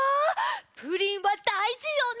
プリンはだいじよね。